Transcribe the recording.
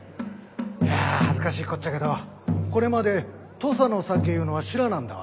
いや恥ずかしいこっちゃけどこれまで土佐の酒いうのは知らなんだわ。